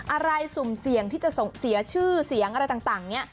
สุ่มเสี่ยงที่จะเสียชื่อเสียงอะไรต่างเนี่ย